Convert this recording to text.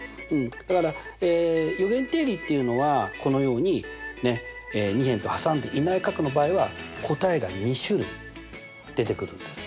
だから余弦定理っていうのはこのように２辺と挟んでいない角の場合は答えが２種類出てくるんです。